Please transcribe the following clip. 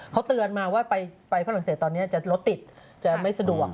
เขาเตือนมาว่าไปฝรั่งเศสตอนนี้รถติดจะไม่สะดวก